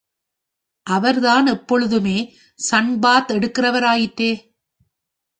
அவர்தான் எப்பொழுதுமே sun bath எடுக்கிறவர் ஆயிற்றே.